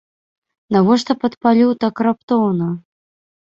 Навошта падпаліў так раптоўна?